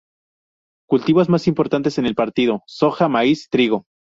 Cultivos más importantes en el Partido: soja, maíz, trigo.